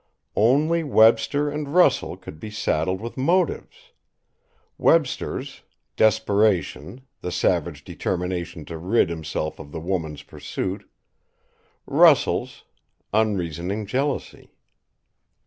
Only Webster and Russell could be saddled with motives: Webster's, desperation, the savage determination to rid himself of the woman's pursuit; Russell's, unreasoning jealousy.